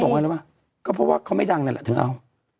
ก็เพราะเพราะว่าเขาไม่ดังแล้วล่ะเธอเอา